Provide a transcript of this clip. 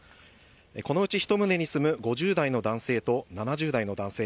このうち１棟に住む５０台と７０代の男性